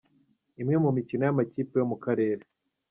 Imwe mu mikino y’amakipe yo mu karere.